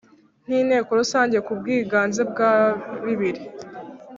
n Inteko Rusange ku bwiganze bwa bibiri